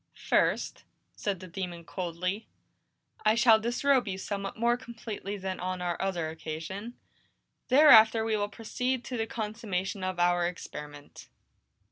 "First," said the demon coldly, "I shall disrobe you somewhat more completely than on our other occasion. Thereafter we will proceed to the consummation of our experiment."